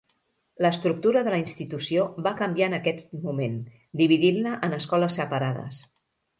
L'estructura de la institució va canviar en aquest moment, dividint-la en escoles separades.